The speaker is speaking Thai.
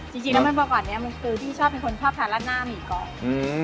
จริงจริงแล้วมันประกอบเนี้ยมันคือที่ชอบเป็นคนชอบทานร้านหน้ามีกรอบอืมอืม